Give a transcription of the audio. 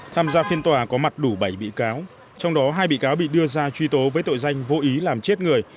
tham gia phiên tòa có mặt đủ bảy bị cáo trong đó hai bị cáo bị đưa ra truy tố với tội danh vô ý làm chết người